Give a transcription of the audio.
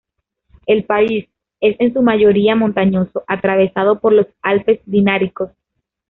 El país es en su mayoría montañoso, atravesado por los Alpes Dináricos.